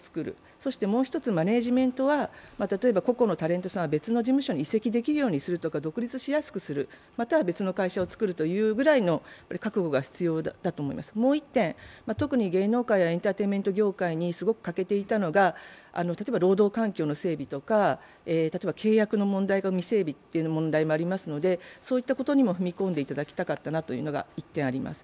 そしてもう一つマネージメントは個々のタレントさんは移籍できるようにするとか独立しやすくするといった覚悟が必要だと思います、もう一つ、芸能業界やエンターテインメント業界にすごく欠けていたのが労働環境の整備とか契約の問題の未整備というのもあるのでそういったことにも踏み込んでいただきたかったということがあります。